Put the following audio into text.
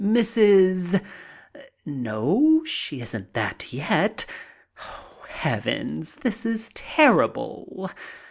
"Mrs. —" No, she isn't that yet. Heavens ! this is terrible.